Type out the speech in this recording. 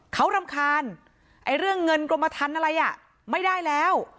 เขารำคาญไอ้เรื่องเงินกรมทันอะไรอ่ะไม่ได้แล้ว